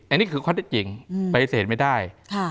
อันนี้คือข้อเท็จจริงปฏิเสธไม่ได้